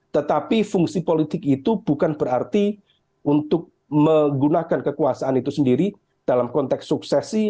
tetapi fungsi politik itu bukan berarti untuk menggunakan kekuasaan itu sendiri dalam konteks suksesi